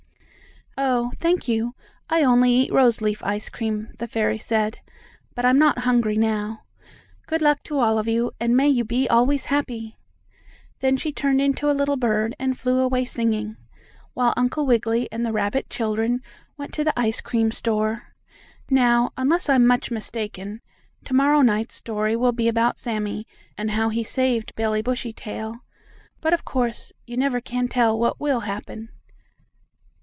"Oh, thank you, I only eat rose leaf ice cream," the fairy said. "But I'm not hungry now. Good luck to all of you, and may you be always happy!" Then she turned into a little bird and flew away singing, while Uncle Wiggily and the rabbit children went to the ice cream store. Now, unless I'm much mistaken, to morrow night's story will be about Sammie and how he saved Billie Bushytail. But of course you never can tell what will happen.